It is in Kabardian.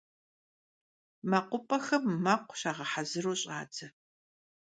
МэкъупӀэхэм мэкъу щагъэхьэзыру щӀадзэ.